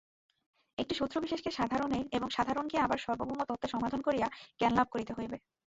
একটি সূত্র বিশেষকে সাধারণে এবং সাধারণকে আবার সার্বভৌম তত্ত্বে সমাধান করিয়া জ্ঞানলাভ করিতে হইবে।